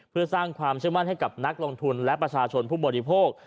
เพื่อสร้างความเชื่อมั่นให้กับนักลงทุนและประชาชนผู้บริโภค